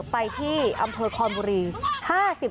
ไปที่อำเภอคอนบุรี